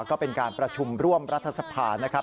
ก็เป็นการประชุมร่วมรัฐสภา